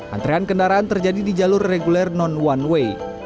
antrean kendaraan terjadi di jalur reguler non one way